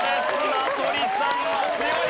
名取さんは強い！